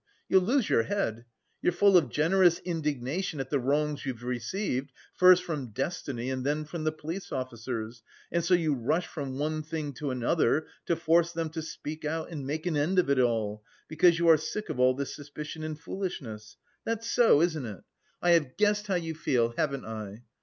You'll lose your head! You're full of generous indignation at the wrongs you've received, first from destiny, and then from the police officers, and so you rush from one thing to another to force them to speak out and make an end of it all, because you are sick of all this suspicion and foolishness. That's so, isn't it? I have guessed how you feel, haven't I?